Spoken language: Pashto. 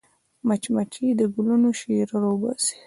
مچمچۍ له ګلونو شیره راوباسي